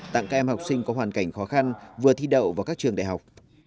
tặng các em học sinh có hoàn cảnh khó khăn vừa thi đậu vào các trường đại học